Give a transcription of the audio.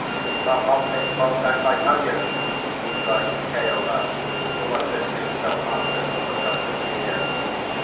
Keep her romping full, don't I tell you!" he cried to Keola, who was listening so hard that he forgot to steer.